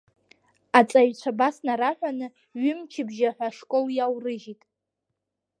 Аҵаҩцәа абас нараҳәаны, ҩымчыбжьа ҳәа ашкол иаурыжьит.